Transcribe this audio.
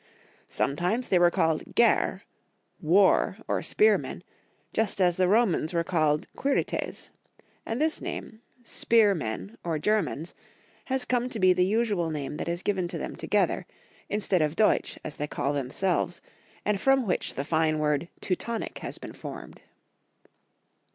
Sometimes they were called Ger, War, or Spear men, just as the Romans were called Quirites; and this name, Spear men or Germans, has come to be the usual name that is given to them together, mstead of Deutsch as they call themselves, and from which the fine word Teutonic has been formed.